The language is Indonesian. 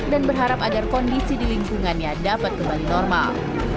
dan berharap agar kondisi di lingkungannya dapat kembali normal